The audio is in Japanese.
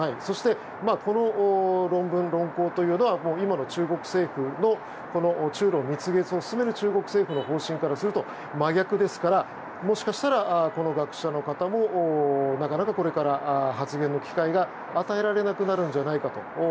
そしてこの論文、論考は今の中国政府のこの中ロ蜜月を進める中国政府の方針からすると真逆ですからもしかしたらこの学者の方もなかなかこれから発言の機会が与えられなくなるんじゃないかと。